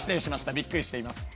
びっくりしています。